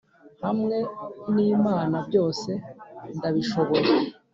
hamwe n'imana byose ndabishoboye